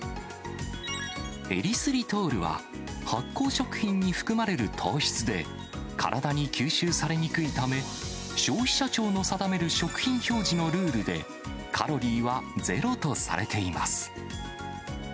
エリスリトールは、発酵食品に含まれる糖質で、体に吸収されにくいため、消費者庁の定める食品表示のルールで、カロリーはゼロとされています。